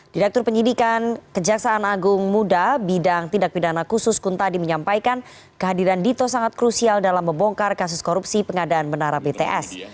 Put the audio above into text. direktur penyidikan kejaksaan agung muda bidang tindak pidana khusus kuntadi menyampaikan kehadiran dito sangat krusial dalam membongkar kasus korupsi pengadaan menara bts